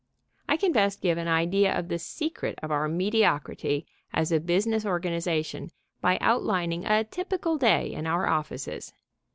I can best give an idea of the secret of our mediocrity as a business organization by outlining a typical day in our offices.